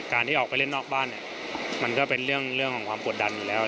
ที่ออกไปเล่นนอกบ้านเนี่ยมันก็เป็นเรื่องของความกดดันอยู่แล้ว